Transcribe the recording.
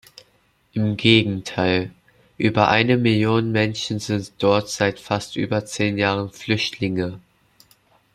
Im Gegenteil, über eine Million Menschen sind dort seit fast über zehn Jahren Flüchtlinge.